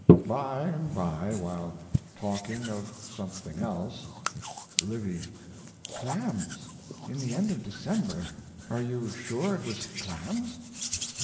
By and by, while talking of something else: LIVY. Clams! in the end of December. Are you sure it was clams?